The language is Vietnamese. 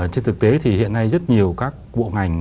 trên thực tế thì hiện nay rất nhiều các bộ ngành